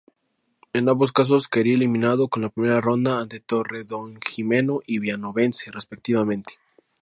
En ambos casos, caería eliminado en la primera ronda ante Torredonjimeno y Villanovense respectivamente.